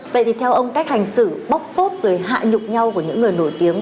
vậy thì theo ông cách hành xử bốc phốt rồi hạ nhục nhau của những người nổi tiếng